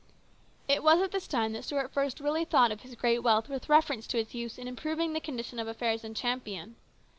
161 It was at this time that Stuart first really thought of his great wealth with reference to its use in improving the condition of affairs in Champion.